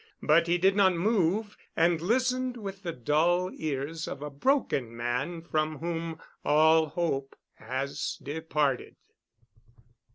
But he did not move, and listened with the dull ears of a broken man from whom all hope has departed.